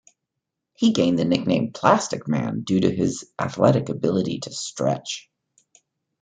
He gained the nickname "Plastic Man" due to his athletic ability to "stretch".